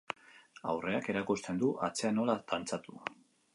Aurreak erakusten du atzea nola dantzatu.